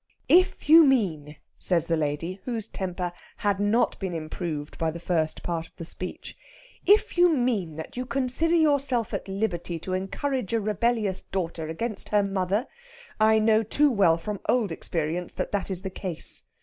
"If you mean," says the lady, whose temper had not been improved by the first part of the speech; "if you mean that you consider yourself at liberty to encourage a rebellious daughter against her mother, I know too well from old experience that that is the case.